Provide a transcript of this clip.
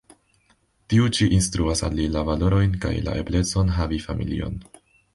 Tiu ĉi instruas al li la valorojn kaj la eblecon havi familion.